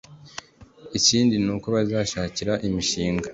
Ikindi ni uko bazashakirwa imishinga